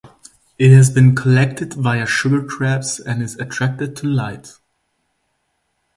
It has been collected via sugar traps and is attracted to light.